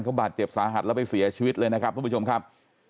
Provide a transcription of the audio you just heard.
เขาบาดเจ็บสาหัสแล้วไปเสียชีวิตเลยนะครับทุกผู้ชมครับ